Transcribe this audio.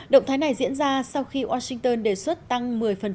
động thái này diễn ra sau khi washington đề xuất tăng chi tiêu quốc phòng